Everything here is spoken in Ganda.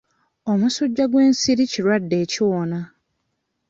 Omusujja gw'ensiri kirwadde ekiwona.